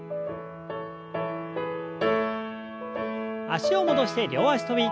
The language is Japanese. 脚を戻して両脚跳び。